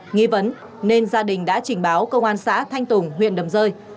nghi vấn nên gia đình đã trình báo công an xã thanh tùng huyện đầm rơi